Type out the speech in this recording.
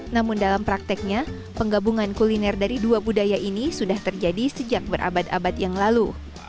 namun dalam prakteknya penggabungan kuliner dari dua budaya ini sudah terjadi sejak berabad abad yang lalu